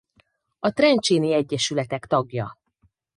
A trencséni egyesületek tagja.